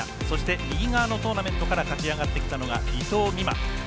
そして、右側のトーナメントから勝ち上がってきたのが伊藤美誠。